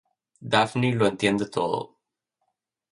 Daphne lo entiende todo.